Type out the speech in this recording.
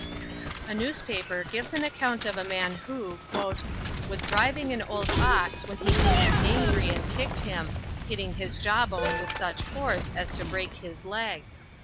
A newspaper gives an account of a man who "was driving an old ox when he became angry and kicked him, hitting his jawbone with such force as to break his leg."